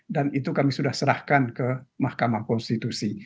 dan itu kami sudah serahkan ke mahkamah konstitusi